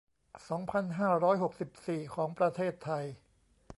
สองพันห้าร้อยหกสิบสี่ ของประเทศไทย